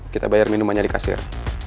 kita bayar minumannya di kasir